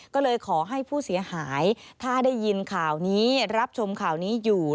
ก็เลยขอให้ผู้เสียหายถ้าได้ยินข่าวนี้รับชมข่าวนี้อยู่